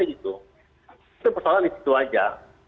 itu persoalan di situ saja